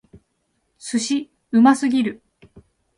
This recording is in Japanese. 寿司！うますぎる！